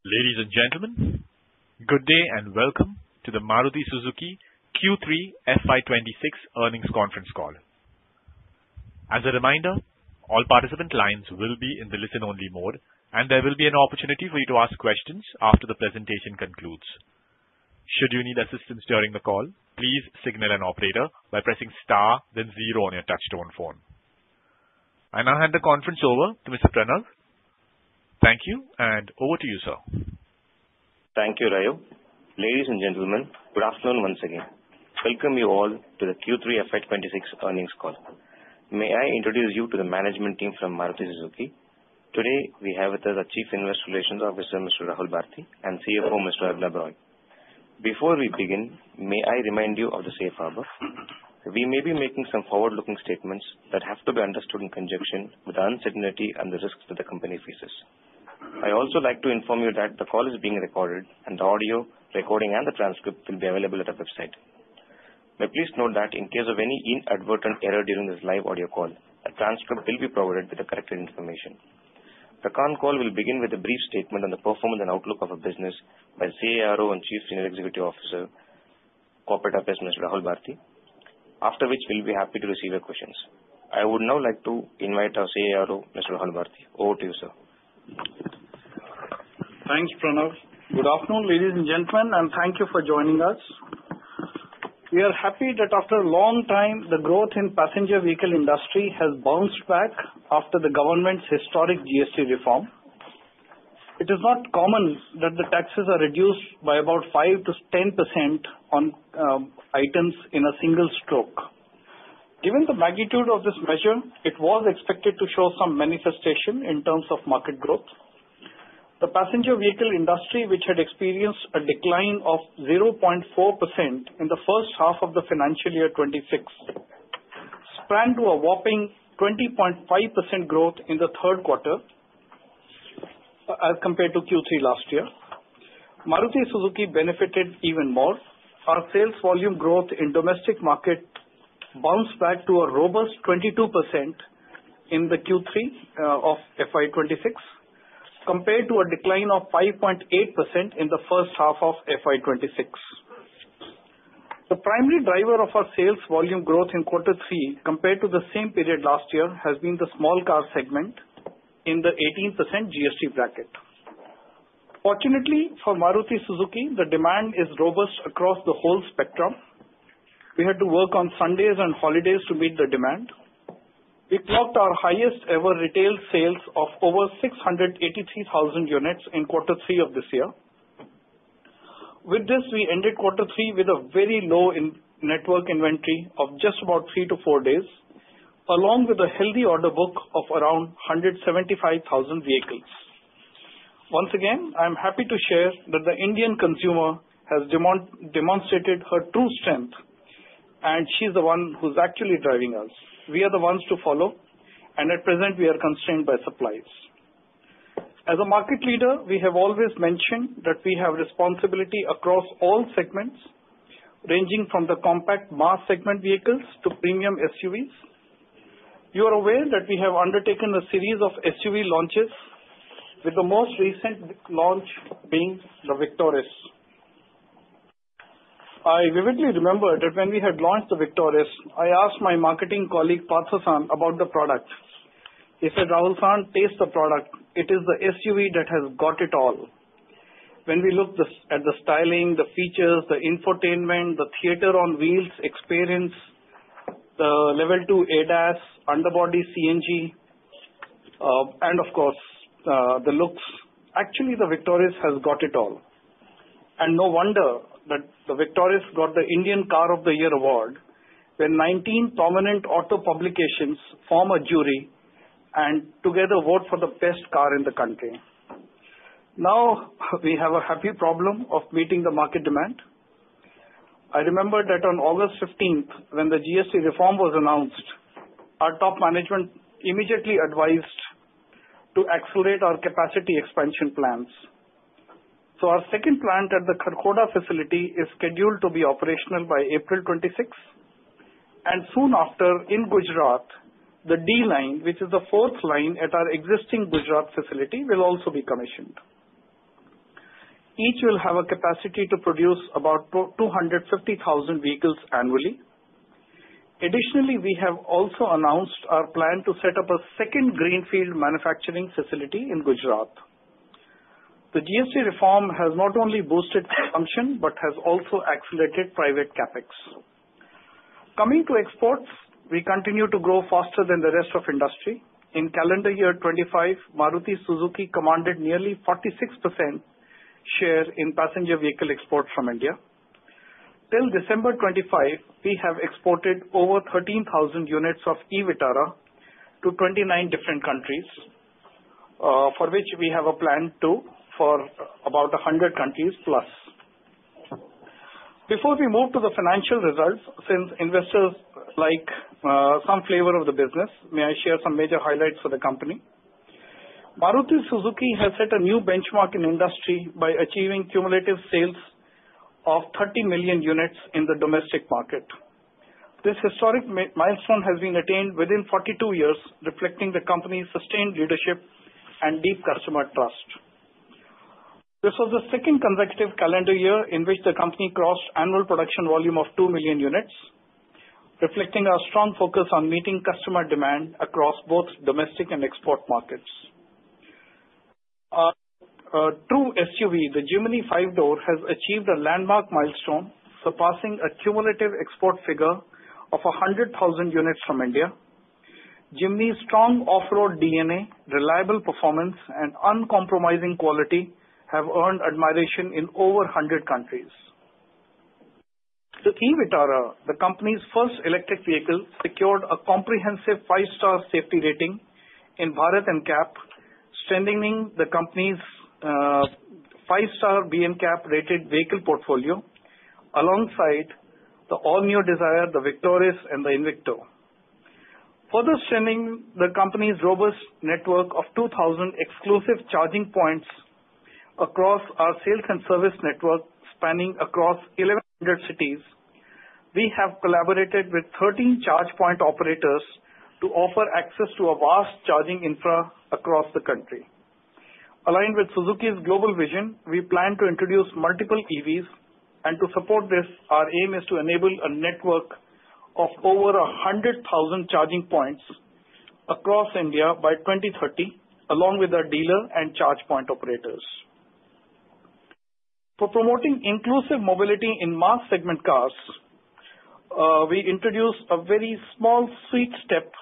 Ladies and gentlemen, good day and welcome to the Maruti Suzuki Q3 FY 2026 earnings conference call. As a reminder, all participant lines will be in the listen-only mode, and there will be an opportunity for you to ask questions after the presentation concludes. Should you need assistance during the call, please signal an operator by pressing star then zero on your touchtone phone. I now hand the conference over to Mr. Pranav. Thank you, and over to you, sir. Thank you, Rayo. Ladies and gentlemen, good afternoon once again. Welcome you all to the Q3 FY 2026 earnings call. May I introduce you to the management team from Maruti Suzuki. Today, we have with us our Chief Investor Relations Officer, Mr. Rahul Bharti, and CFO, Mr. Arnab Roy. Before we begin, may I remind you of the safe harbor. We may be making some forward-looking statements that have to be understood in conjunction with the uncertainty and the risks that the company faces. I also like to inform you that the call is being recorded, and the audio recording and the transcript will be available at our website. Please note that in case of any inadvertent error during this live audio call, a transcript will be provided with the corrected information. The current call will begin with a brief statement on the performance and outlook of our business by CRO and Chief Senior Executive Officer, Corporate Affairs, Mr. Rahul Bharti, after which we'll be happy to receive your questions. I would now like to invite our CRO, Mr. Rahul Bharti. Over to you, sir. Thanks, Pranav. Good afternoon, ladies and gentlemen, and thank you for joining us. We are happy that after a long time, the growth in passenger vehicle industry has bounced back after the government's historic GST reform. It is not common that the taxes are reduced by about 5%-10% on items in a single stroke. Given the magnitude of this measure, it was expected to show some manifestation in terms of market growth. The passenger vehicle industry, which had experienced a decline of 0.4% in the first half of the financial year 2026, sprang to a whopping 20.5% growth in the Q3 as compared to Q3 last year. Maruti Suzuki benefited even more. Our sales volume growth in domestic market bounced back to a robust 22% in the Q3 of FY 2026, compared to a decline of 5.8% in the first half of FY 2026. The primary driver of our sales volume growth in Q3, compared to the same period last year, has been the small car segment in the 18% GST bracket. Fortunately for Maruti Suzuki, the demand is robust across the whole spectrum. We had to work on Sundays and holidays to meet the demand. We clocked our highest ever retail sales of over 683,000 units in Q3 of this year. With this, we ended Q3 with a very low in-network inventory of just about 3-4 days, along with a healthy order book of around 175,000 vehicles. Once again, I'm happy to share that the Indian consumer has demonstrated her true strength, and she's the one who's actually driving us. We are the ones to follow, and at present, we are constrained by supplies. As a market leader, we have always mentioned that we have responsibility across all segments, ranging from the compact mass segment vehicles to premium SUVs. You are aware that we have undertaken a series of SUV launches, with the most recent launch being the Victoris. I vividly remember that when we had launched the Victoris, I asked my marketing colleague, Partho Banerjee, about the product. He said, "Rahul, sir, taste the product. It is the SUV that has got it all." When we look at the styling, the features, the infotainment, the theater on wheels experience, the Level 2 ADAS, underbody CNG, and of course, the looks, actually, the Victoris has got it all. No wonder that the Victoris got the Indian Car of the Year award, where 19 prominent auto publications form a jury and together vote for the best car in the country. Now, we have a happy problem of meeting the market demand. I remember that on August fifteenth, when the GST reform was announced, our top management immediately advised to accelerate our capacity expansion plans. Our second plant at the Kharkhoda facility is scheduled to be operational by April 2026, and soon after, in Gujarat, the D line, which is the fourth line at our existing Gujarat facility, will also be commissioned. Each will have a capacity to produce about 250,000 vehicles annually. Additionally, we have also announced our plan to set up a second greenfield manufacturing facility in Gujarat. The GST reform has not only boosted consumption but has also accelerated private CapEx. Coming to exports, we continue to grow faster than the rest of industry. In calendar year 2025, Maruti Suzuki commanded nearly 46% share in passenger vehicle export from India. Till December 2025, we have exported over 13,000 units of e-Vitara to 29 different countries, for which we have a plan to for about 100 countries plus. Before we move to the financial results, since investors like some flavor of the business, may I share some major highlights for the company? Maruti Suzuki has set a new benchmark in industry by achieving cumulative sales of 30 million units in the domestic market. This historic milestone has been attained within 42 years, reflecting the company's sustained leadership and deep customer trust. This was the second consecutive calendar year in which the company crossed annual production volume of 2 million units, reflecting our strong focus on meeting customer demand across both domestic and export markets. The SUV, the Jimny five-door, has achieved a landmark milestone, surpassing a cumulative export figure of 100,000 units from India. Jimny's strong off-road DNA, reliable performance, and uncompromising quality have earned admiration in over 100 countries. The e-Vitara, the company's first electric vehicle, secured a comprehensive five-star safety rating in Bharat NCAP, strengthening the company's five-star BNCAP-rated vehicle portfolio, alongside the all-new Dzire, the Victoris, and the Invicto. Further strengthening the company's robust network of 2,000 exclusive charging points across our sales and service network, spanning across 1,100 cities, we have collaborated with 13 charge point operators to offer access to a vast charging infra across the country. Aligned with Suzuki's global vision, we plan to introduce multiple EVs, and to support this, our aim is to enable a network of over 100,000 charging points across India by 2030, along with our dealer and charge point operators. For promoting inclusive mobility in mass segment cars, we introduced a very small, sweet step,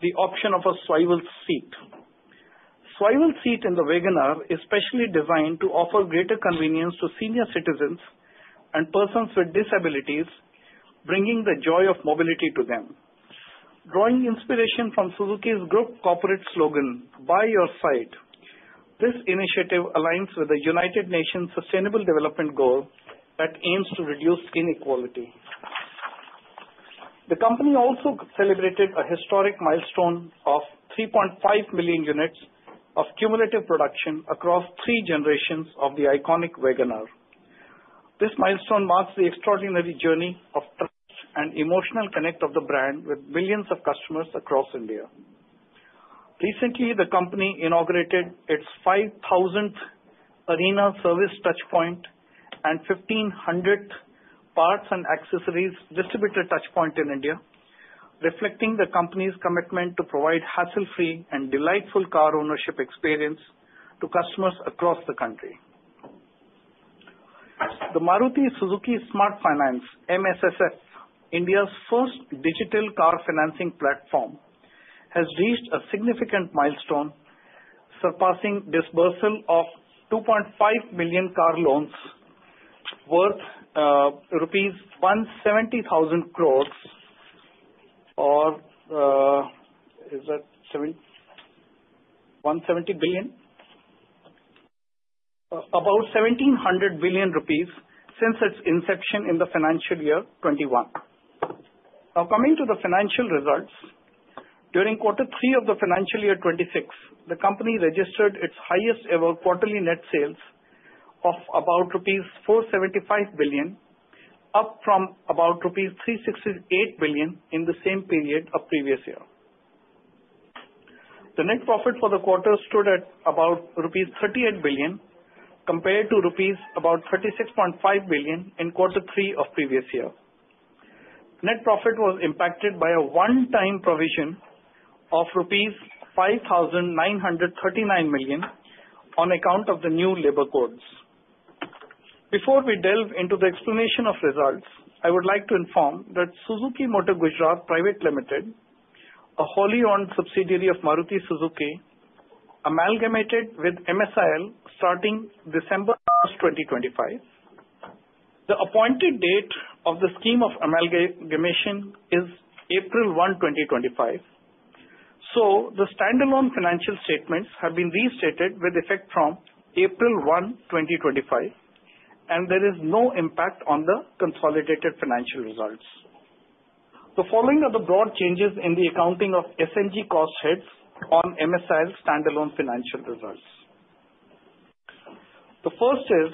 the option of a swivel seat. Swivel seat in the WagonR is specially designed to offer greater convenience to senior citizens and persons with disabilities, bringing the joy of mobility to them. Drawing inspiration from Suzuki's group corporate slogan, "By your side," this initiative aligns with the United Nations Sustainable Development Goals that aims to reduce inequality. The company also celebrated a historic milestone of 3.5 million units of cumulative production across three generations of the iconic WagonR. This milestone marks the extraordinary journey of trust and emotional connect of the brand with millions of customers across India. Recently, the company inaugurated its 5,000th Arena service touch point and 1,500 parts and accessories distributor touch point in India, reflecting the company's commitment to provide hassle-free and delightful car ownership experience to customers across the country. The Maruti Suzuki Smart Finance, MSSF, India's first digital car financing platform, has reached a significant milestone, surpassing disbursement of 2.5 million car loans worth INR 170,000 crore, or is that 170 billion? About 1,700 billion rupees since its inception in the financial year 2021. Now, coming to the financial results, during quarter three of the financial year 2026, the company registered its highest ever quarterly net sales of about rupees 475 billion, up from about rupees 368 billion in the same period of previous year. The net profit for the quarter stood at about rupees 38 billion, compared to about 36.5 billion rupees in quarter three of previous year. Net profit was impacted by a one-time provision of rupees 5,939 million on account of the new labor codes. Before we delve into the explanation of results, I would like to inform that Suzuki Motor Gujarat Private Limited, a wholly-owned subsidiary of Maruti Suzuki, amalgamated with MSIL starting December 1, 2025. The appointed date of the scheme of amalgamation is April 1, 2025. So the standalone financial statements have been restated with effect from April 1, 2025, and there is no impact on the consolidated financial results. The following are the broad changes in the accounting of SMG cost heads on MSIL's standalone financial results. The first is,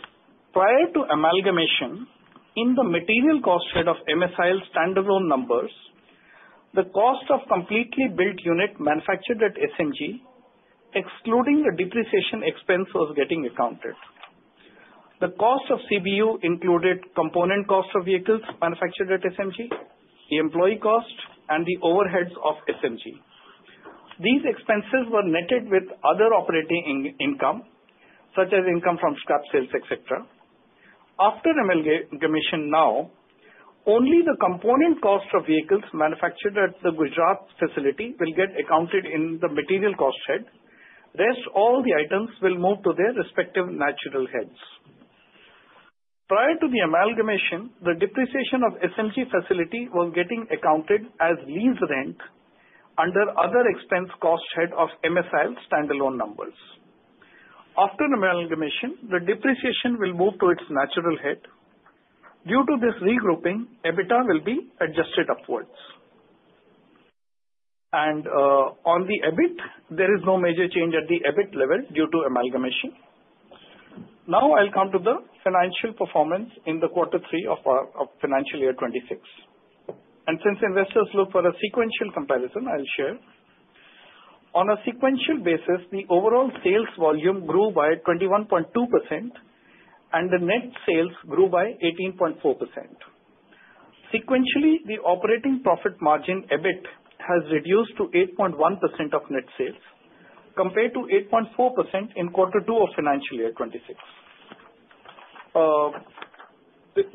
prior to amalgamation, in the material cost head of MSIL's standalone numbers, the cost of completely built unit manufactured at SMG, excluding the depreciation expense, was getting accounted. The cost of CBU included component cost of vehicles manufactured at SMG, the employee cost, and the overheads of SMG. These expenses were netted with other operating income, such as income from scrap sales, et cetera. After amalgamation now, only the component cost of vehicles manufactured at the Gujarat facility will get accounted in the material cost head. Rest, all the items will move to their respective natural heads. Prior to the amalgamation, the depreciation of SMG facility was getting accounted as lease rent under other expense cost head of MSIL's standalone numbers. After the amalgamation, the depreciation will move to its natural head. Due to this regrouping, EBITDA will be adjusted upwards. On the EBIT, there is no major change at the EBIT level due to amalgamation. Now I'll come to the financial performance in the Q3 of our financial year 2026. Since investors look for a sequential comparison, I'll share. On a sequential basis, the overall sales volume grew by 21.2%, and the net sales grew by 18.4%. Sequentially, the operating profit margin, EBIT, has reduced to 8.1% of net sales, compared to 8.4% in Q2 of Financial Year 2026.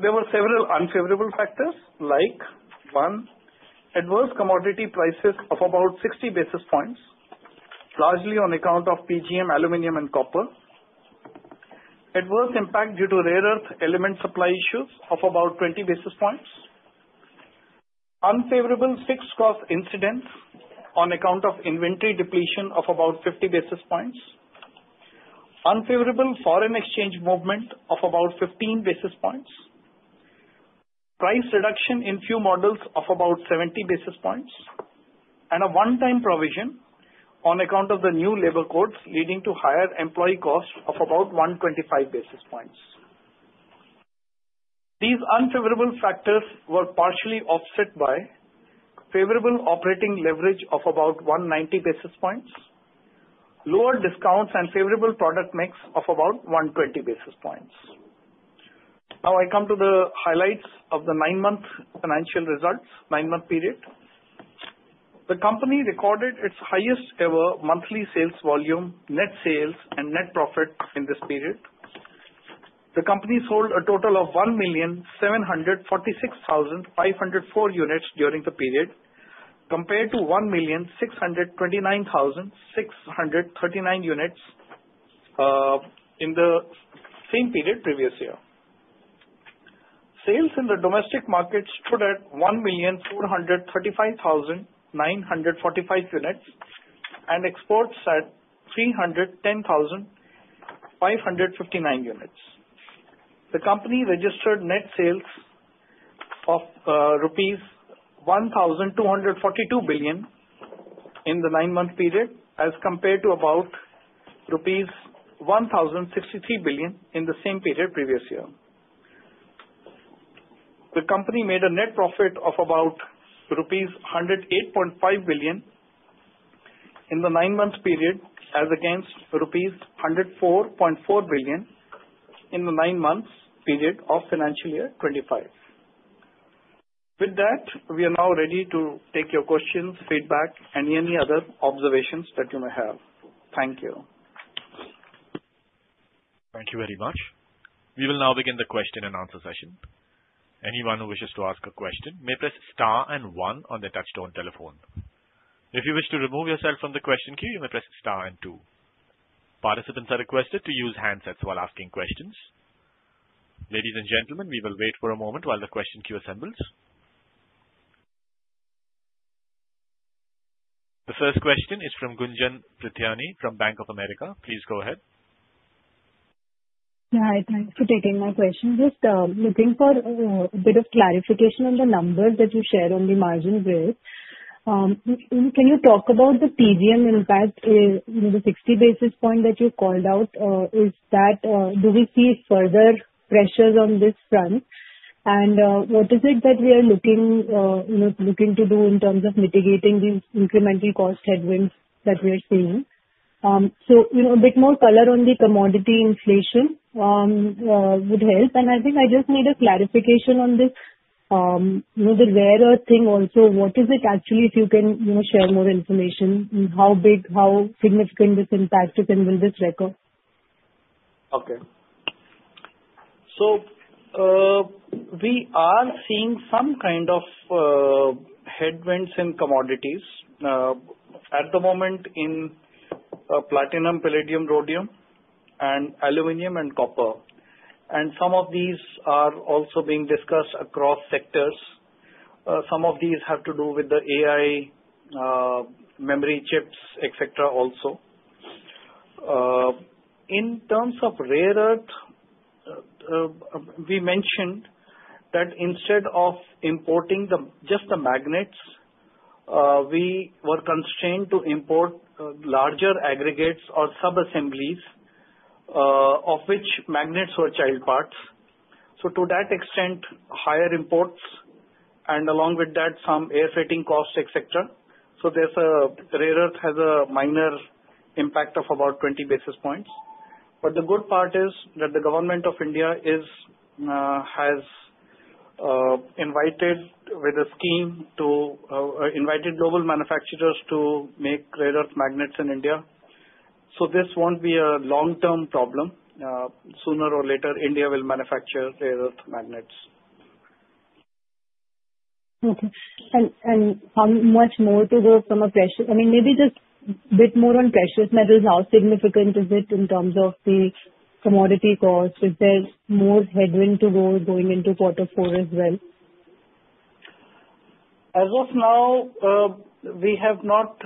There were several unfavorable factors, like, one, adverse commodity prices of about 60 basis points, largely on account of PGM, aluminum and copper. Adverse impact due to rare earth element supply issues of about 20 basis points. Unfavorable fixed cost incidence on account of inventory depletion of about 50 basis points. Unfavorable foreign exchange movement of about 15 basis points. Price reduction in few models of about 70 basis points, and a one-time provision on account of the new labor codes, leading to higher employee costs of about 125 basis points. These unfavorable factors were partially offset by favorable operating leverage of about 190 basis points, lower discounts and favorable product mix of about 120 basis points. Now I come to the highlights of the nine-month financial results, nine-month period. The company recorded its highest ever monthly sales volume, net sales and net profit in this period. The company sold a total of 1,746,504 units during the period, compared to 1,629,639 units in the same period previous year. Sales in the domestic markets stood at 1,235,945 units, and exports at 310,559 units. The company registered net sales of rupees 1,242 billion in the nine-month period, as compared to about rupees 1,063 billion in the same period previous year. The company made a net profit of about rupees 108.5 billion in the nine-month period, as against rupees 104.4 billion in the nine months period of Financial Year 2025. With that, we are now ready to take your questions, feedback, and any other observations that you may have. Thank you. Thank you very much. We will now begin the question and answer session. Anyone who wishes to ask a question may press star and one on their touchtone telephone. If you wish to remove yourself from the question queue, you may press star and two. Participants are requested to use handsets while asking questions. Ladies and gentlemen, we will wait for a moment while the question queue assembles. The first question is from Gunjan Prithyani from Bank of America. Please go ahead. Hi, thanks for taking my question. Just, looking for, a bit of clarification on the numbers that you shared on the margin there. Can you talk about the PGM impact, you know, the 60 basis point that you called out, is that, do we see further pressures on this front? And, what is it that we are looking, you know, looking to do in terms of mitigating these incremental cost headwinds that we're seeing? So, you know, a bit more color on the commodity inflation, would help. And I think I just need a clarification on this, you know, the rare earth thing also, what is it actually, if you can, you know, share more information on how big, how significant this impact is, and will this recover? Okay. So, we are seeing some kind of headwinds in commodities at the moment in platinum, palladium, rhodium, and aluminum and copper. And some of these are also being discussed across sectors. Some of these have to do with the AI memory chips, et cetera, also. In terms of rare earth, we mentioned that instead of importing the just the magnets, we were constrained to import larger aggregates or sub-assemblies of which magnets were child parts. So to that extent, higher imports, and along with that, some air freighting costs, et cetera. So there's a rare earth has a minor impact of about 20 basis points. But the good part is that the Government of India is has invited with a scheme to invited global manufacturers to make rare earth magnets in India. This won't be a long-term problem. Sooner or later, India will manufacture rare earth magnets. Okay. And, and how much more to go from a pressure... I mean, maybe just bit more on precious metals, how significant is it in terms of the commodity costs? Is there more headwind to go going into quarter four as well? As of now, we have not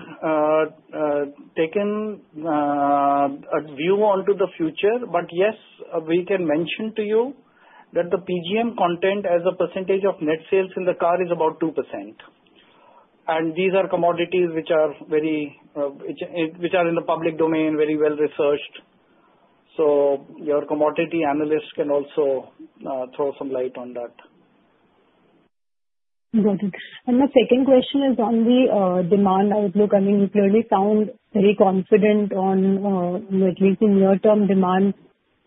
taken a view onto the future. But yes, we can mention to you that the PGM content as a percentage of net sales in the car is about 2%, and these are commodities which are in the public domain, very well researched. So your commodity analysts can also throw some light on that. Got it. And my second question is on the demand outlook. I mean, you clearly sound very confident on at least in near-term demand,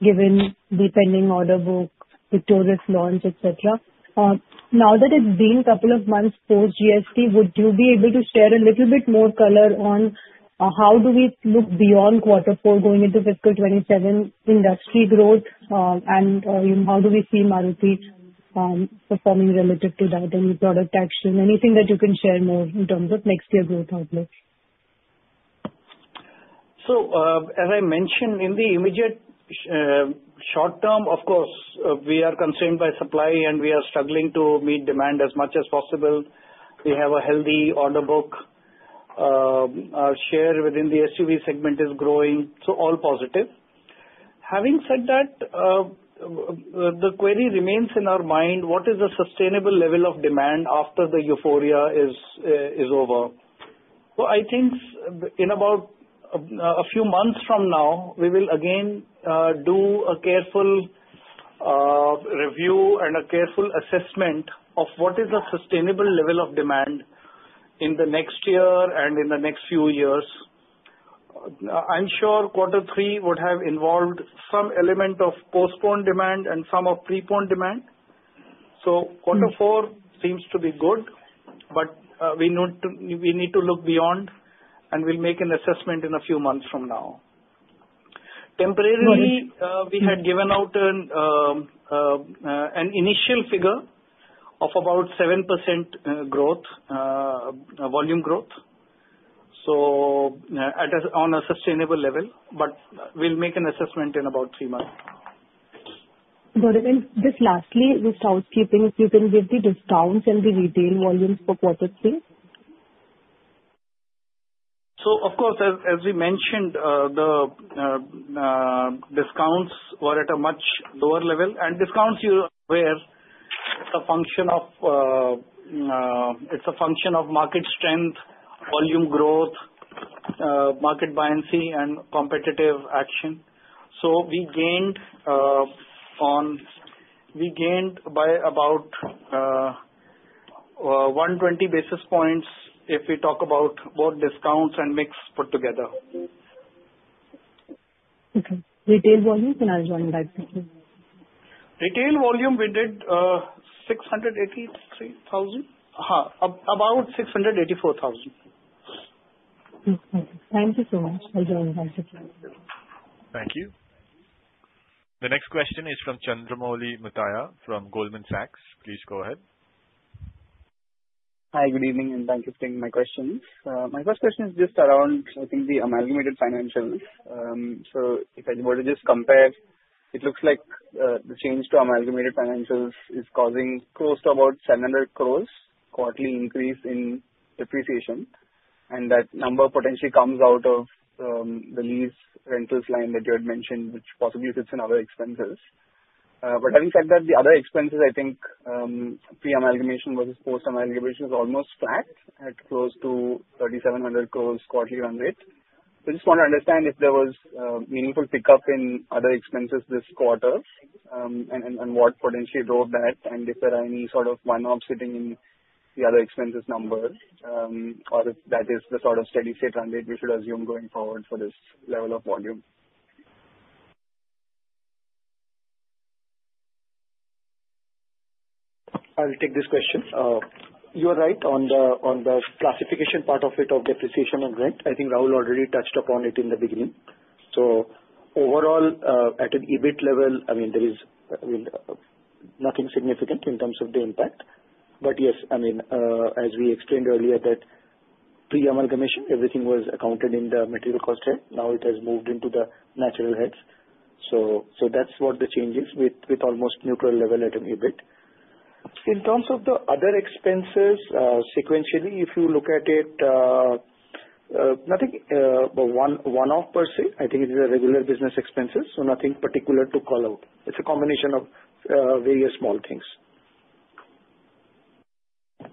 given the pending order books, the tourist launch, et cetera. Now that it's been couple of months post GST, would you be able to share a little bit more color on how do we look beyond quarter four going into fiscal 2027 industry growth, and how do we see Maruti performing relative to that? Any product action, anything that you can share more in terms of next year growth outlook? So, as I mentioned, in the immediate short term, of course, we are concerned by supply, and we are struggling to meet demand as much as possible. We have a healthy order book. Our share within the SUV segment is growing, so all positive. Having said that, the query remains in our mind: what is the sustainable level of demand after the euphoria is over? So I think in about a few months from now, we will again do a careful review and a careful assessment of what is the sustainable level of demand in the next year and in the next few years. I'm sure Q3 would have involved some element of postponed demand and some of preponed demand. So- Mm. Q4 seems to be good, but we need to, we need to look beyond, and we'll make an assessment in a few months from now. Got it. Temporarily, we had given out an initial figure of about 7% growth, volume growth, so, at a, on a sustainable level, but we'll make an assessment in about three months. Got it. Just lastly, with housekeeping, if you can give the discounts and the retail volumes for Q3? So of course, as we mentioned, the discounts were at a much lower level, and discounts you're aware, it's a function of market strength, volume growth, market buoyancy and competitive action. So we gained by about 120 basis points if we talk about both discounts and mix put together. Okay. Retail volume, and I'll join that, thank you. Retail volume, we did 683,000. About 684,000. Okay. Thank you so much. I join back. Thank you. The next question is from Chandramouli Muthiah, from Goldman Sachs. Please go ahead. Hi, good evening, and thanks for taking my questions. My first question is just around, I think, the amalgamated financials. So if I were to just compare, it looks like, the change to amalgamated financials is causing close to about 700 crore quarterly increase in depreciation, and that number potentially comes out of, the lease rentals line that you had mentioned, which possibly sits in other expenses. But having said that, the other expenses, I think, pre-amalgamation versus post-amalgamation is almost flat, at close to 3,700 crore quarterly run rate. So just want to understand if there was meaningful pickup in other expenses this quarter, and what potentially drove that, and if there are any sort of one-offs sitting in the other expenses numbers, or if that is the sort of steady-state run rate we should assume going forward for this level of volume? I'll take this question. You are right on the, on the classification part of it, of depreciation and rent. I think Rahul already touched upon it in the beginning. So overall, at an EBIT level, I mean, there is, I mean, nothing significant in terms of the impact. But yes, I mean, as we explained earlier, that pre-amalgamation, everything was accounted in the material cost head, now it has moved into the natural heads. So, so that's what the change is with, with almost neutral level at EBIT. In terms of the other expenses, sequentially, if you look at it, nothing, one, one-off per se. I think it is a regular business expenses, so nothing particular to call out. It's a combination of, various small things.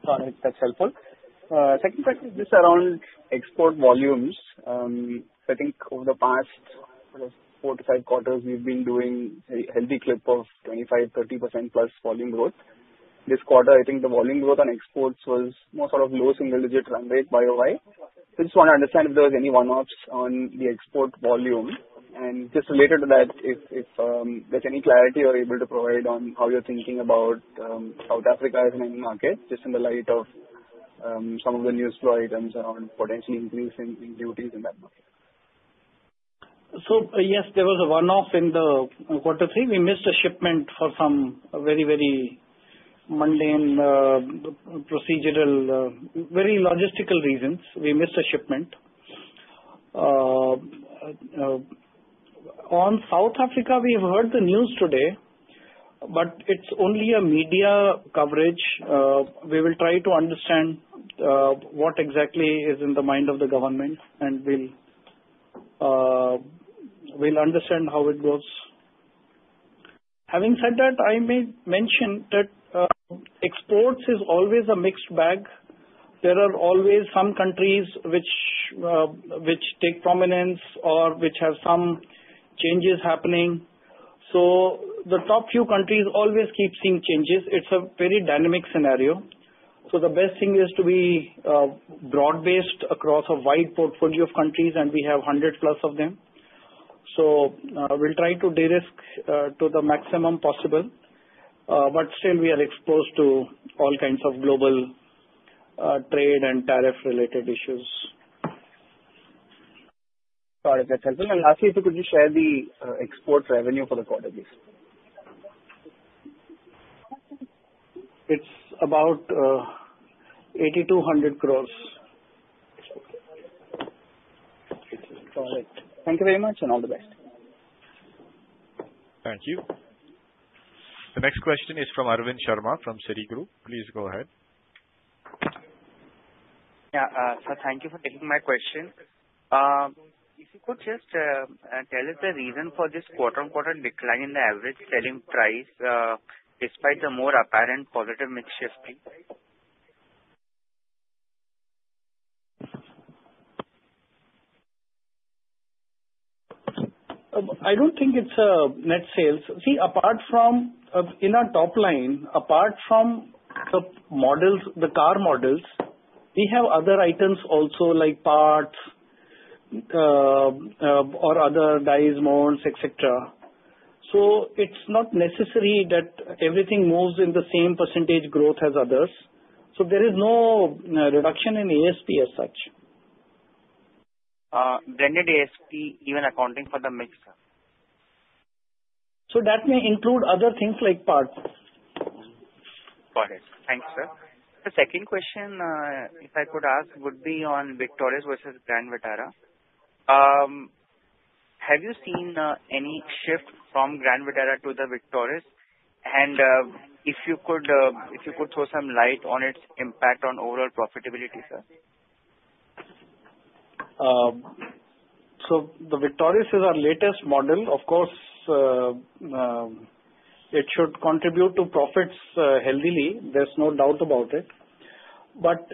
Got it. That's helpful. Second question, just around export volumes. I think over the past 4 to 5 quarters, we've been doing a healthy clip of 25%, 30% plus volume growth. This quarter, I think the volume growth on exports was more sort of low single-digit run rate YoY. I just want to understand if there was any one-offs on the export volume. And just related to that, if there's any clarity you're able to provide on how you're thinking about South Africa as a main market, just in the light of some of the newsflow items around potential increase in duties in that market. So yes, there was a one-off in the Q3. We missed a shipment for some very, very mundane, procedural, very logistical reasons. We missed a shipment. On South Africa, we have heard the news today, but it's only a media coverage. We will try to understand what exactly is in the mind of the government, and we'll understand how it goes. Having said that, I may mention that exports is always a mixed bag. There are always some countries which take prominence or which have some changes happening. So the top few countries always keep seeing changes. It's a very dynamic scenario. So the best thing is to be broad-based across a wide portfolio of countries, and we have 100+ of them. We'll try to de-risk to the maximum possible, but still we are exposed to all kinds of global trade and tariff-related issues. Got it. That's helpful. And lastly, could you share the exports revenue for the quarter, please? It's about INR 8,200 crore. Got it. Thank you very much, and all the best. Thank you. The next question is from Arvind Sharma, from Citigroup. Please go ahead. Yeah, so thank you for taking my question. If you could just tell us the reason for this quarter-on-quarter decline in the average selling price, despite the more apparent positive mix shifting? I don't think it's net sales. See, apart from in our top line, apart from the models, the car models, we have other items also, like parts, or other dies, molds, et cetera. So it's not necessary that everything moves in the same percentage growth as others. So there is no reduction in ASP as such. Blended ASP, even accounting for the mix, sir. So that may include other things like parts. Got it. Thanks, sir. The second question, if I could ask, would be on Victoris versus Grand Vitara. Have you seen any shift from Grand Vitara to the Victoris? And, if you could throw some light on its impact on overall profitability, sir? So the Victoris is our latest model. Of course, it should contribute to profits healthily, there's no doubt about it. But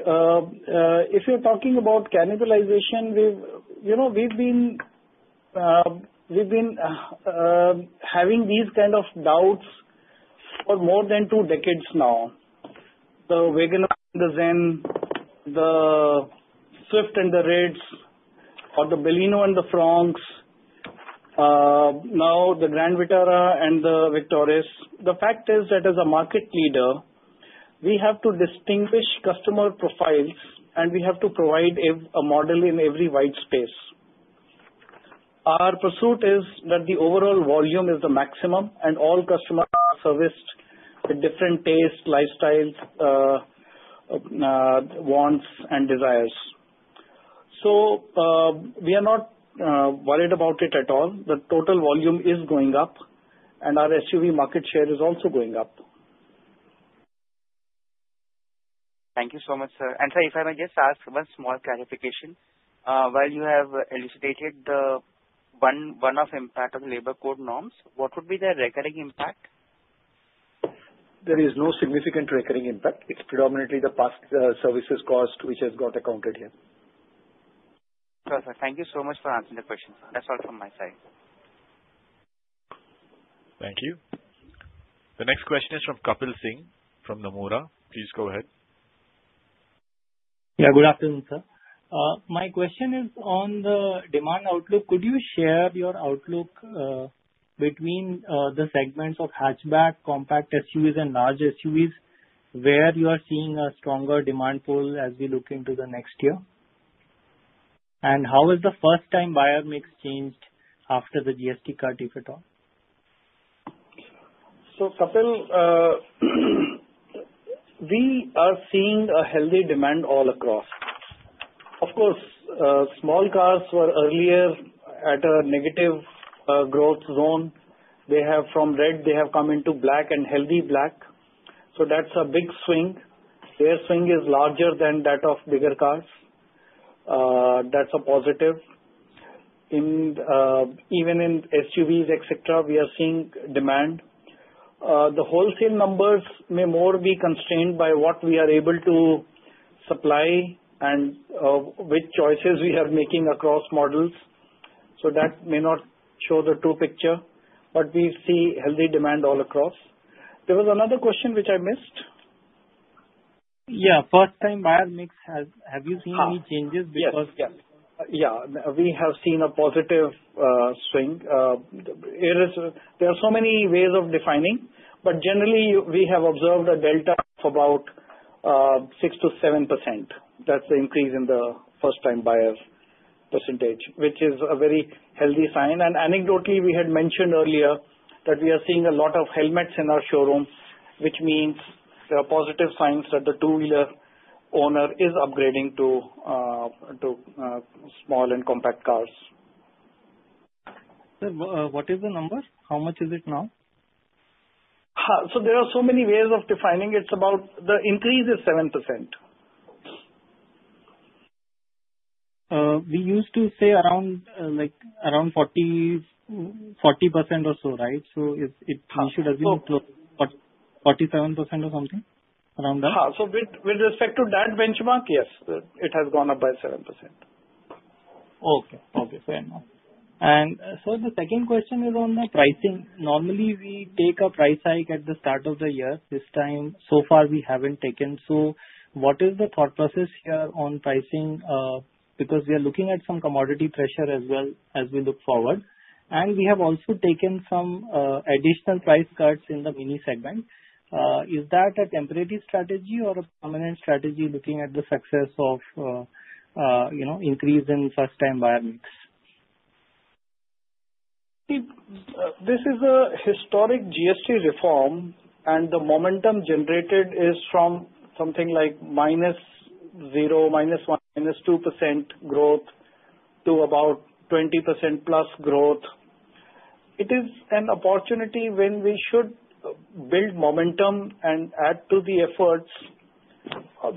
if you're talking about cannibalization, we've, you know, we've been having these kind of doubts for more than two decades now. The WagonR and the Zen, the Swift and the Ritz, or the Baleno and the Fronx now the Grand Vitara and the Victoris. The fact is that as a market leader, we have to distinguish customer profiles, and we have to provide a model in every white spares. Our pursuit is that the overall volume is the maximum, and all customers are serviced with different tastes, lifestyles wants and desires. So we are not worried about it at all. The total volume is going up, and our SUV market share is also going up. Thank you so much, sir. And sir, if I may just ask one small clarification. While you have elucidated the one-off impact of the labor code norms, what would be the recurring impact? There is no significant recurring impact. It's predominantly the past, services cost, which has got accounted here. Got it, sir. Thank you so much for answering the question. That's all from my side. Thank you. The next question is from Kapil Singh, from Nomura. Please go ahead. Yeah, good afternoon, sir. My question is on the demand outlook. Could you share your outlook, between, the segments of hatchback, compact SUVs and large SUVs, where you are seeing a stronger demand pull as we look into the next year? And how has the first-time buyer mix changed after the GST cut, if at all? So, Kapil, we are seeing a healthy demand all across. Of course, small cars were earlier at a negative growth zone. They have, from red, they have come into black and healthy black. So that's a big swing. Their swing is larger than that of bigger cars. That's a positive. And even in SUVs, et cetera, we are seeing demand. The wholesale numbers may more be constrained by what we are able to supply and which choices we are making across models. So that may not show the true picture, but we see healthy demand all across. There was another question which I missed. Yeah, first time buyer mix. Have you seen any changes? Ah, Because- Yes, yes. Yeah, we have seen a positive swing. It is, there are so many ways of defining, but generally we have observed a delta of about 6%-7%. That's the increase in the first-time buyers percentage, which is a very healthy sign. And anecdotally, we had mentioned earlier that we are seeing a lot of helmets in our showrooms, which means there are positive signs that the two-wheeler owner is upgrading to small and compact cars. Sir, what is the number? How much is it now?... so there are so many ways of defining. It's about the increase is 7%. We used to say around, like around 40%, 40% or so, right? So it So- 47% or something around that? So with respect to that benchmark, yes, it has gone up by 7%. Okay. Okay, fair enough. And so the second question is on the pricing. Normally, we take a price hike at the start of the year. This time, so far, we haven't taken, so what is the thought process here on pricing? Because we are looking at some commodity pressure as well as we look forward. And we have also taken some additional price cuts in the mini segment. Is that a temporary strategy or a permanent strategy looking at the success of, you know, increase in first-time buyer mix? See, this is a historic GST reform, and the momentum generated is from something like -0, -1, -2% growth to about 20%+ growth. It is an opportunity when we should build momentum and add to the efforts.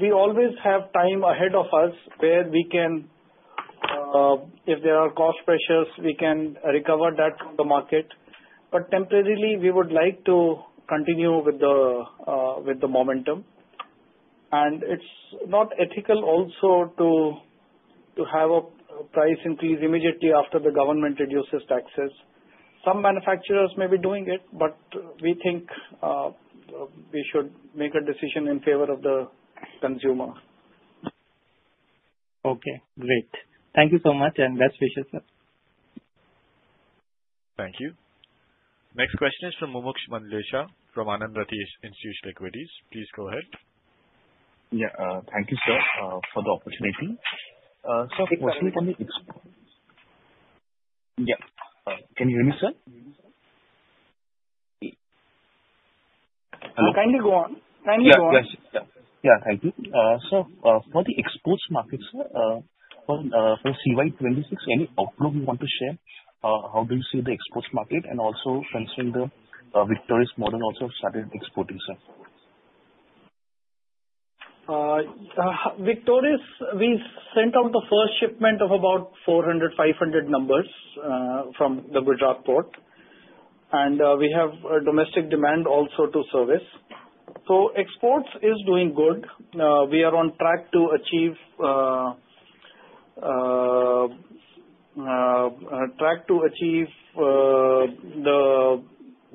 We always have time ahead of us where we can, if there are cost pressures, we can recover that from the market. But temporarily, we would like to continue with the momentum. And it's not ethical also to have a price increase immediately after the government reduces taxes. Some manufacturers may be doing it, but we think, we should make a decision in favor of the consumer. Okay, great. Thank you so much, and best wishes, sir. Thank you. Next question is from Mumuksh Mandlesha from Anand Rathi Institutional Equities. Please go ahead. Yeah, thank you, sir, for the opportunity. Sir, personally, can you... Yeah. Can you hear me, sir? Hello. Kindly go on. Kindly go on. Yeah. Yes. Yeah. Yeah, thank you. So, for the exports market, sir, for CY 2026, any outlook you want to share? How do you see the exports market, and also considering the Victoris model also started exporting, sir? Victoris, we sent out the first shipment of about 400-500 numbers from the Gujarat port, and we have a domestic demand also to service. So exports is doing good. We are on track to achieve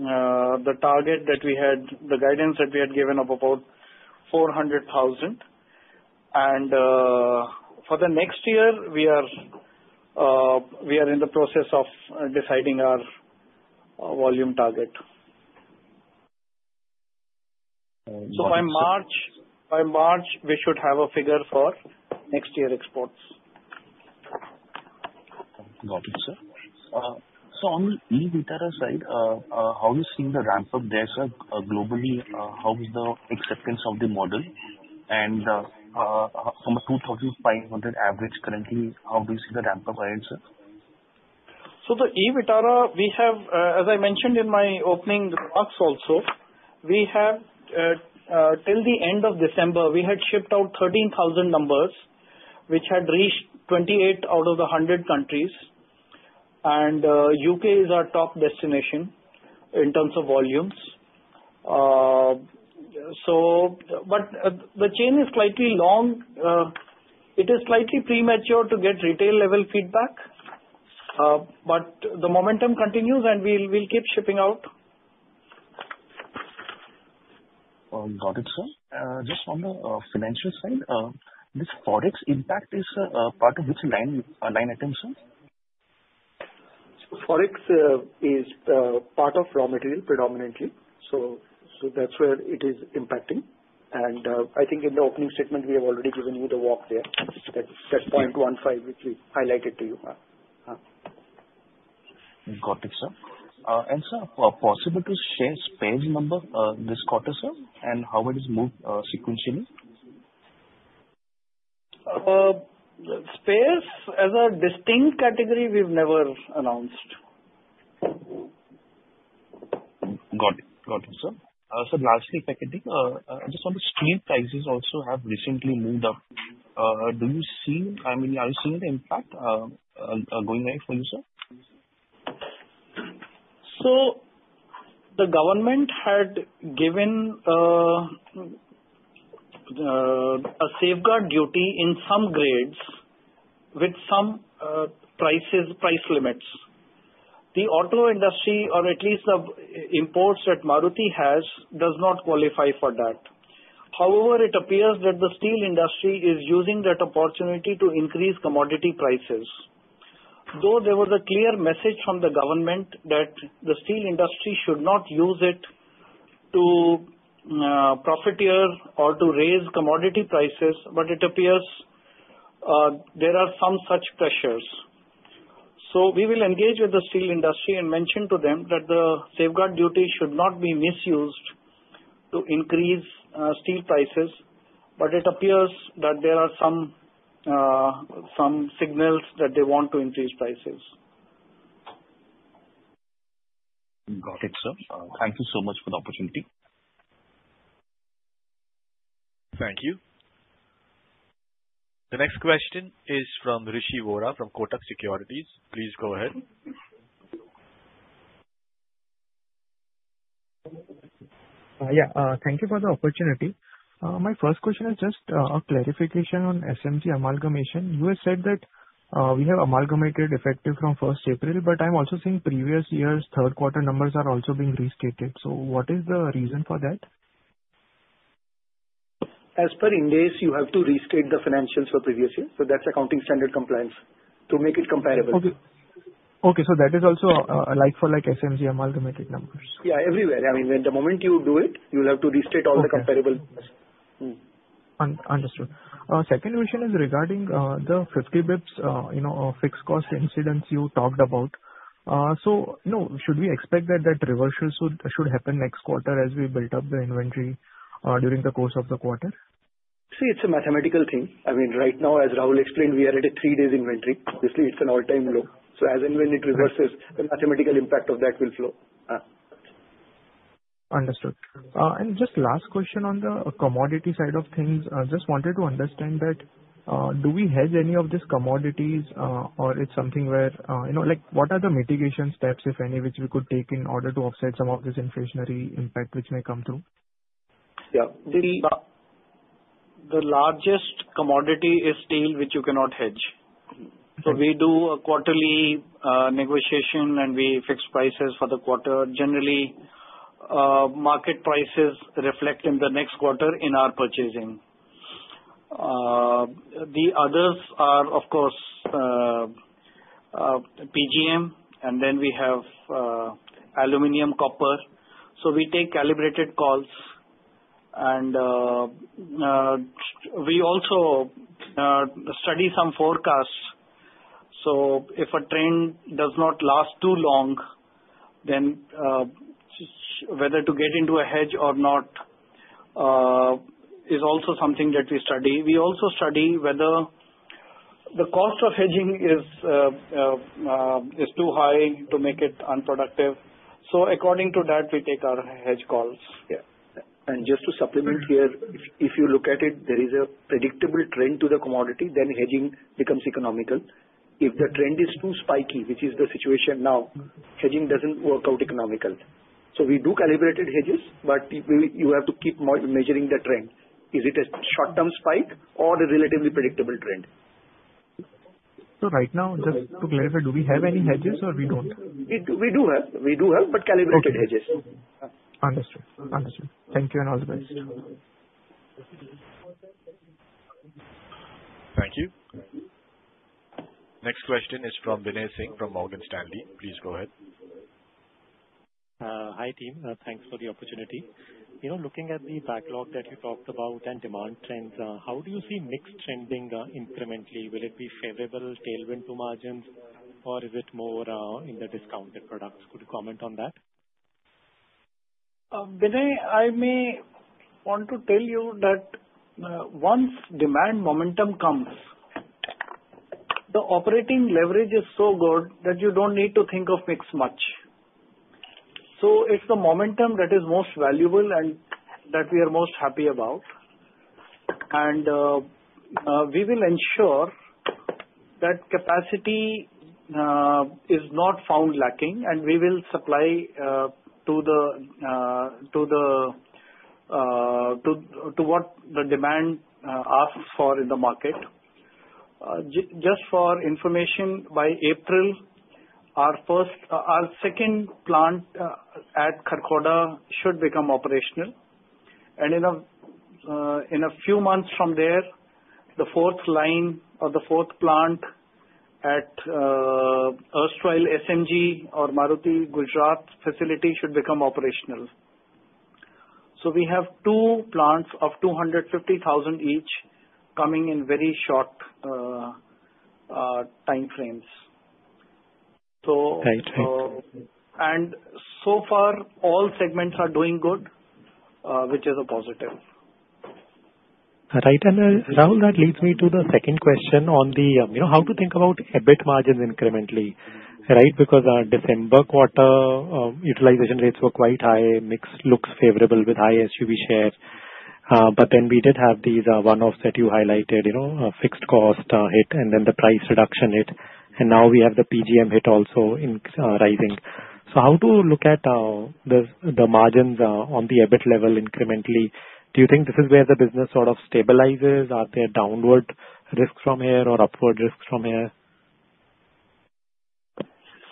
the target that we had, the guidance that we had given of about 400,000. And, for the next year, we are in the process of deciding our volume target. All right. By March, by March, we should have a figure for next year exports. Got it, sir. So on e-Vitara side, how are you seeing the ramp up there, sir? Globally, how is the acceptance of the model? And, from a 2,500 average currently, how do you see the ramp up ahead, sir? So the e-Vitara, we have, as I mentioned in my opening remarks also, we have, till the end of December, we had shipped out 13,000 numbers, which had reached 28 out of the 100 countries, and UK is our top destination in terms of volumes. So but, the chain is slightly long. It is slightly premature to get retail level feedback, but the momentum continues, and we'll, we'll keep shipping out. Got it, sir. Just on the financial side, this Forex impact is part of which line item, sir? Forex is part of raw material predominantly. So that's where it is impacting. And I think in the opening statement, we have already given you the walk there, that 0.15, which we highlighted to you. Got it, sir. And sir, possible to share spares number, this quarter, sir, and how it is moved, sequentially? Spares as a distinct category, we've never announced. Got it. Got it, sir. So lastly, second thing, just on the steel prices also have recently moved up. Do you see... I mean, are you seeing the impact, going ahead for you, sir? So the government had given a safeguard duty in some grades with some prices, price limits. The auto industry, or at least the imports that Maruti has, does not qualify for that. However, it appears that the steel industry is using that opportunity to increase commodity prices. Though there was a clear message from the government that the steel industry should not use it to profiteer or to raise commodity prices, but it appears there are some such pressures. So we will engage with the steel industry and mention to them that the safeguard duty should not be misused to increase steel prices, but it appears that there are some signals that they want to increase prices. Got it, sir. Thank you so much for the opportunity. Thank you. The next question is from Rishi Vora from Kotak Securities. Please go ahead. Yeah, thank you for the opportunity. My first question is just a clarification on SMG amalgamation. You have said that we have amalgamated effective from first April, but I'm also seeing previous years' Q3 numbers are also being restated, so what is the reason for that? As per Indian, you have to restate the financials for previous years, so that's accounting standard compliance to make it comparable. Okay. Okay, so that is also, a like for like SMG amalgamated numbers? Yeah, everywhere. I mean, the moment you do it, you will have to restate all the comparable- Okay. Mm. Understood. Second question is regarding the 50 basis points, you know, fixed cost incidence you talked about. So, you know, should we expect that that reversal should happen next quarter as we build up the inventory during the course of the quarter? See, it's a mathematical thing. I mean, right now, as Rahul explained, we are at a 3 days inventory. Obviously, it's an all-time low. So as and when it reverses, the mathematical impact of that will flow. Understood. Just last question on the commodity side of things. I just wanted to understand that, do we hedge any of these commodities, or it's something where, you know, like, what are the mitigation steps, if any, which we could take in order to offset some of this inflationary impact which may come through? Yeah. The largest commodity is steel, which you cannot hedge. Mm-hmm. So we do a quarterly negotiation, and we fix prices for the quarter. Generally, market prices reflect in the next quarter in our purchasing. The others are, of course, PGM, and then we have aluminum, copper. So we take calibrated calls, and we also study some forecasts. So if a trend does not last too long, then whether to get into a hedge or not is also something that we study. We also study whether the cost of hedging is too high to make it unproductive. So according to that, we take our hedge calls. Yeah. And just to supplement here, if you look at it, there is a predictable trend to the commodity, then hedging becomes economical. If the trend is too spiky, which is the situation now, hedging doesn't work out economical. So we do calibrated hedges, but we, you have to keep measuring the trend. Is it a short-term spike or a relatively predictable trend? So right now, just to clarify, do we have any hedges or we don't? We do have, but calibrated hedges. Okay. Understood. Understood. Thank you, and all the best. Thank you. Next question is from Binay Singh, from Morgan Stanley. Please go ahead. Hi, team. Thanks for the opportunity. You know, looking at the backlog that you talked about and demand trends, how do you see mix trending incrementally? Will it be favorable tailwind to margins, or is it more in the discounted products? Could you comment on that? Binay, I may want to tell you that, once demand momentum comes, the operating leverage is so good that you don't need to think of mix much. So it's the momentum that is most valuable and that we are most happy about. And, we will ensure that capacity is not found lacking, and we will supply to what the demand asks for in the market. Just for information, by April, our second plant at Kharkhoda should become operational. And in a few months from there, the fourth line or the fourth plant at Erstwhile SMG or Maruti Gujarat facility should become operational. So we have two plants of 250,000 each coming in very short time frames. So- Right. Right. So far, all segments are doing good, which is a positive. Right. And, Rahul, that leads me to the second question on the, you know, how to think about EBIT margins incrementally, right? Because our December quarter, utilization rates were quite high, mix looks favorable with high SUV share. But then we did have these, one-offs that you highlighted, you know, fixed cost hit and then the price reduction hit, and now we have the PGM hit also in rising. So how to look at, the margins, on the EBIT level incrementally? Do you think this is where the business sort of stabilizes? Are there downward risks from here or upward risks from here?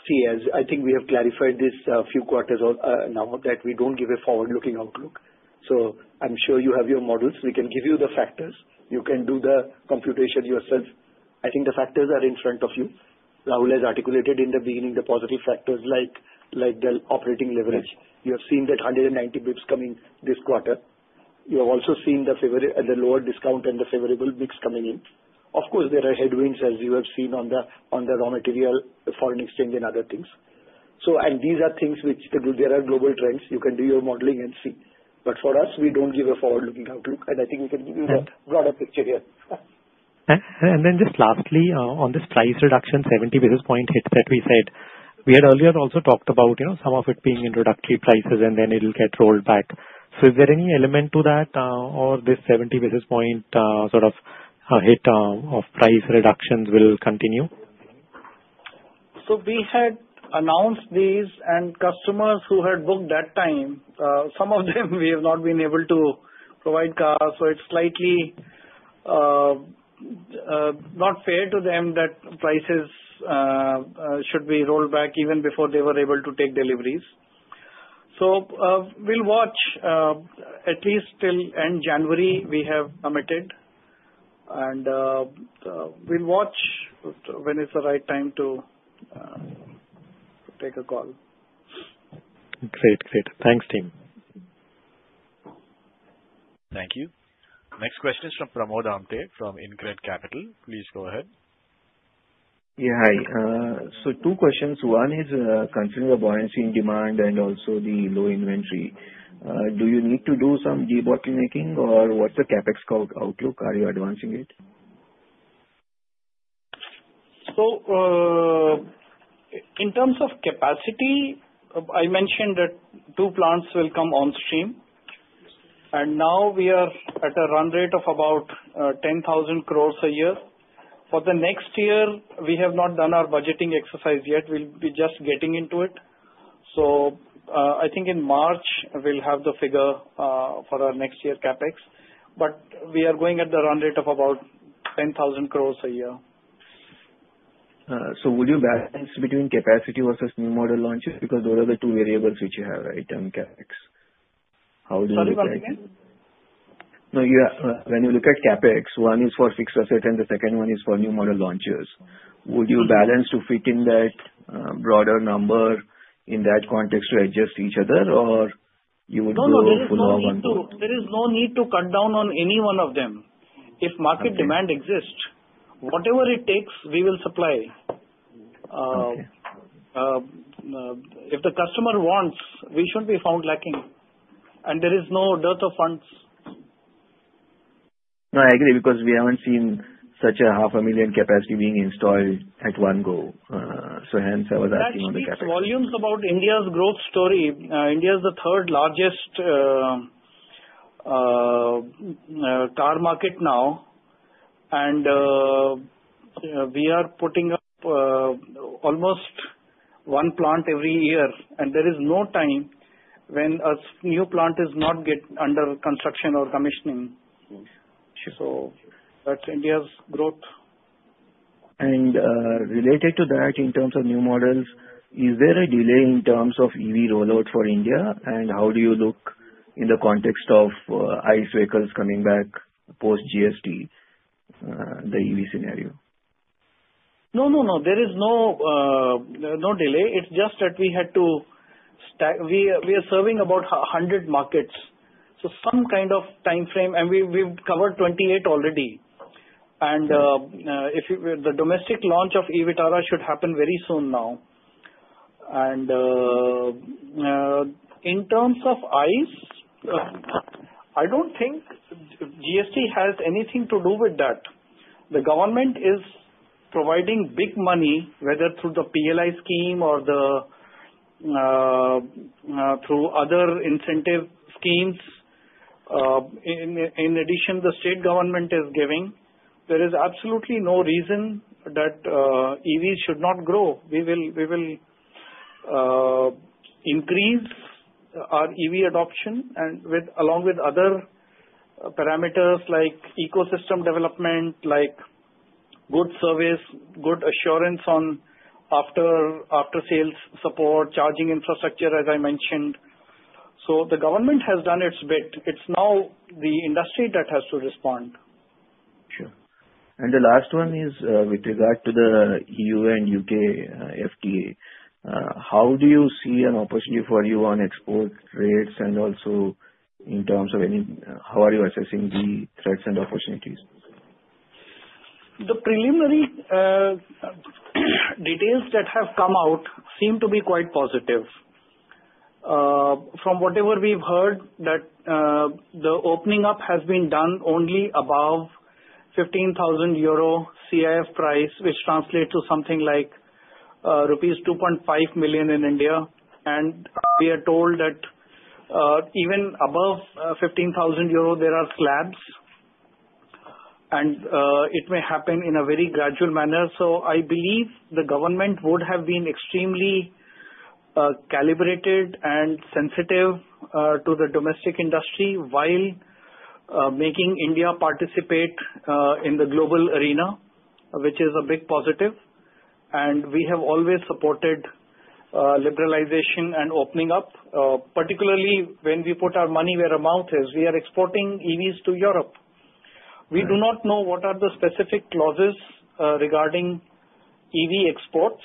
See, as I think we have clarified this a few quarters now that we don't give a forward-looking outlook. So I'm sure you have your models. We can give you the factors. You can do the computation yourself. I think the factors are in front of you. Rahul has articulated in the beginning the positive factors like the operating leverage. Right. You have seen that 190 basis points coming this quarter. ... you have also seen the favorable lower discount and the favorable mix coming in. Of course, there are headwinds, as you have seen on the raw material, the foreign exchange and other things. So and these are things which there are global trends. You can do your modeling and see. But for us, we don't give a forward-looking outlook, and I think we can give you the broader picture here. Then just lastly, on this price reduction, 70 basis point hit that we said, we had earlier also talked about, you know, some of it being introductory prices and then it'll get rolled back. So is there any element to that, or this 70 basis point sort of hit of price reductions will continue? So we had announced these, and customers who had booked that time, some of them we have not been able to provide cars, so it's slightly not fair to them that prices should be rolled back even before they were able to take deliveries. So, we'll watch at least till end January, we have committed, and we'll watch when it's the right time to take a call. Great. Great. Thanks, team. Thank you. Next question is from Pramod Amthe, from InCred Capital. Please go ahead. Yeah, hi. So two questions. One is, considering the buoyancy in demand and also the low inventory, do you need to do some debottlenecking, or what's the CapEx outlook? Are you advancing it? So, in terms of capacity, I mentioned that two plants will come on stream, and now we are at a run rate of about 10,000 crore a year. For the next year, we have not done our budgeting exercise yet. We'll be just getting into it. So, I think in March we'll have the figure for our next year CapEx, but we are going at the run rate of about 10,000 crore a year. Would you balance between capacity versus new model launches? Because those are the two variables which you have, right, on CapEx. How would you look at it? Sorry, come again? No, yeah, when you look at CapEx, one is for fixed asset and the second one is for new model launches. Mm-hmm. Would you balance to fit in that, broader number in that context to adjust each other, or you would go full on both? No, no, there is no need to, there is no need to cut down on any one of them. Okay. If market demand exists, whatever it takes, we will supply. Okay. If the customer wants, we shouldn't be found lacking, and there is no dearth of funds. No, I agree, because we haven't seen such a 500,000 capacity being installed at one go. So hence I was asking on the CapEx. That speaks volumes about India's growth story. India is the third largest car market now, and we are putting up almost one plant every year, and there is no time when a new plant is not get under construction or commissioning. Mm. That's India's growth. Related to that, in terms of new models, is there a delay in terms of EV rollout for India? How do you look in the context of ICE vehicles coming back post-GST, the EV scenario? No, no, no, there is no delay. It's just that we are serving about 100 markets, so some kind of timeframe, and we've covered 28 already. Sure. If the domestic launch of e-Vitara should happen very soon now. In terms of ICE, I don't think GST has anything to do with that. The government is providing big money, whether through the PLI scheme or through other incentive schemes. In addition, the state government is giving. There is absolutely no reason that EV should not grow. We will increase our EV adoption and, along with other parameters like ecosystem development, like good service, good assurance on after-sales support, charging infrastructure, as I mentioned. So the government has done its bit. It's now the industry that has to respond. Sure. The last one is, with regard to the E.U. and U.K., FTA. How do you see an opportunity for you on export rates and also in terms of any... How are you assessing the threats and opportunities? The preliminary details that have come out seem to be quite positive. From whatever we've heard, the opening up has been done only above 15,000 euro CIF price, which translates to something like rupees 2.5 million in India. And we are told that even above 15,000 euro, there are slabs, and it may happen in a very gradual manner. So I believe the government would have been extremely calibrated and sensitive to the domestic industry, while making India participate in the global arena, which is a big positive. And we have always supported liberalization and opening up, particularly when we put our money where our mouth is. We are exporting EVs to Europe. Right. We do not know what are the specific clauses regarding EV exports,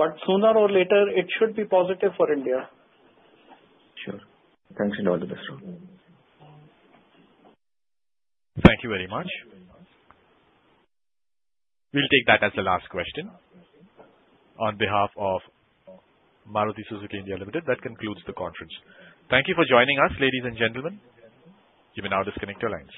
but sooner or later, it should be positive for India. Sure. Thanks, and all the best. Thank you very much. We'll take that as the last question. On behalf of Maruti Suzuki India Limited, that concludes the conference. Thank you for joining us, ladies and gentlemen. You may now disconnect your lines.